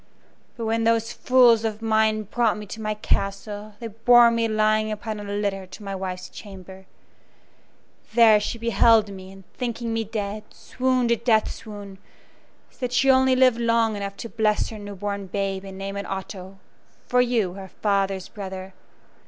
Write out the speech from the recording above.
But when those fools of mine brought me to my castle they bore me lying upon a litter to my wife's chamber. There she beheld me, and, thinking me dead, swooned a death swoon, so that she only lived long enough to bless her new born babe and name it Otto, for you, her father's brother.